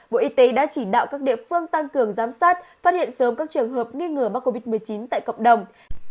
bộ y tế đã chỉ đạo các địa phương tăng cường giám sát phát hiện sớm các trường hợp nghi ngờ mắc covid một mươi chín tại cộng đồng